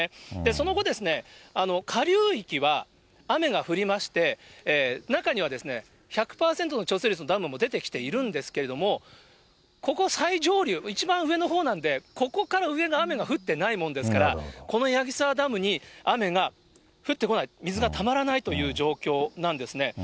その後、下流域は雨が降りまして、中には１００％の貯水率のダムも出てきているんですけれども、ここ最上流、一番上のほうなんで、ここから上が雨が降ってないもんですから、この矢木沢ダムに雨が降ってこない、水がたまらないという状況なんですね。